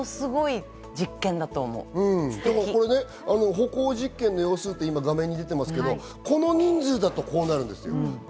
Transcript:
歩行実験の様子って画面に出てますけど、この人数だとこうなるんですよ。